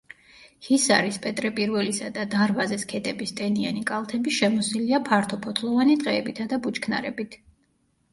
ჰისარის, პეტრე პირველისა და დარვაზის ქედების ტენიანი კალთები შემოსილია ფართოფოთლოვანი ტყეებითა და ბუჩქნარებით.